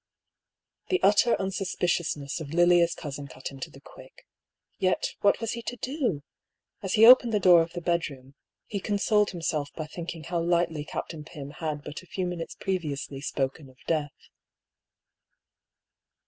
The utter unsuspiciousness of Lilia's cousin cut him to the quick. Yet, what was he to do ? As he opened the door of the bedroom, he consoled himself by think ing how lightly Captain Pym had but a few minutes previously spoken of death.